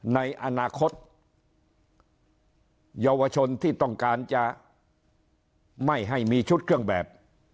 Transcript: ในอนาคตเยาวชนที่ต้องการจะไม่ให้มีชุดเครื่องแบบ